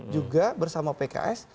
juga bersama pks